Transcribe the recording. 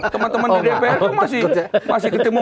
teman teman di dpr masih ketemu